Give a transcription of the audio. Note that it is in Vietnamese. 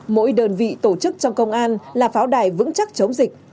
mỗi đơn vị tổ chức trong công an là pháo đài vững chắc chống dịch